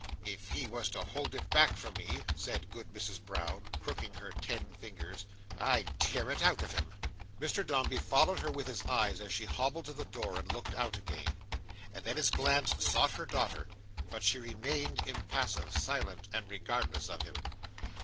If he was to hold it back from me," said Good Mrs Brown, crooking her ten fingers, "I'd tear it out of him!" Mr Dombey followed her with his eyes as she hobbled to the door, and looked out again: and then his glance sought her daughter; but she remained impassive, silent, and regardless of him.